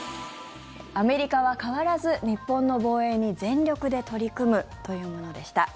アメリカは変わらず日本の防衛に全力で取り組むというものでした。